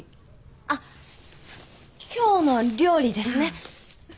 あ「きょうの料理」ですね。